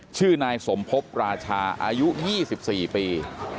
ชื่อนายสมพบราชาอายุ๒๔ปี